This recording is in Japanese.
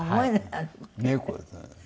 猫ですね。